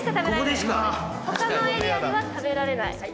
他のエリアでは食べられない。